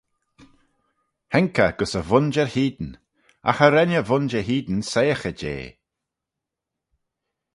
Haink eh gys e vooinjer hene, agh cha ren e vooinjer hene soiaghey jeh.